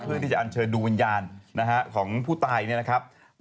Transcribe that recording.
ที่จะอันเชิญดูวิญญาณของผู้ตายเนี่ยนะครับ